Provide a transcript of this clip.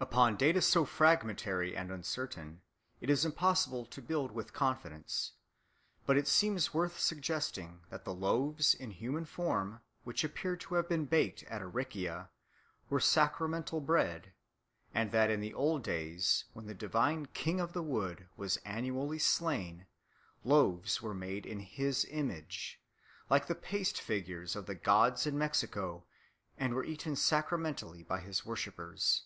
Upon data so fragmentary and uncertain, it is impossible to build with confidence; but it seems worth suggesting that the loaves in human form, which appear to have been baked at Aricia, were sacramental bread, and that in the old days, when the divine King of the Wood was annually slain, loaves were made in his image, like the paste figures of the gods in Mexico, and were eaten sacramentally by his worshippers.